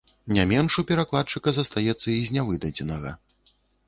Не менш у перакладчыка застаецца і з нявыдадзенага.